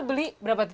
oh ini berapa tadi